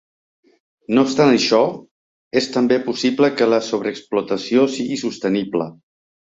No obstant això, és també possible que la sobreexplotació sigui sostenible.